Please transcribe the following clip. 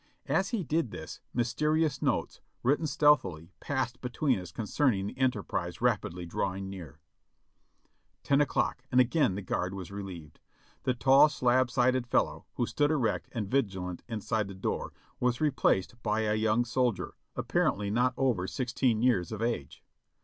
As he did this, mysterious notes, written stealthily, passed between us concerning the enterprise rapidly drawing near. Ten o'clock! and again the guard was relieved. The tall, slab sided fellow, who stood erect and vigilant inside the door, was replaced by a young soldier, apparently not over sixteen years of age.